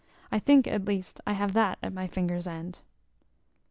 I think, at least, I have that at my finger's end."